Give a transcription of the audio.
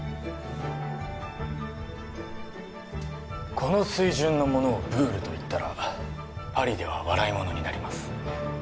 この水準のものをブールと言ったらパリでは笑い者になります